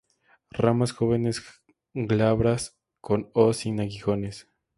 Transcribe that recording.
Ramas jóvenes glabras, con o sin aguijones.